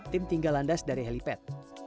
tim tinggal landas dari helipad